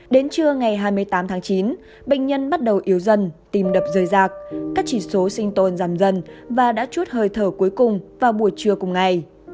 đến trưa ngày hai mươi tám tháng chín bệnh nhân bắt đầu yếu dần tìm đập rơi rạc các chỉ số sinh tồn giảm dần và đã chút hơi thở cuối cùng vào buổi trưa cùng ngày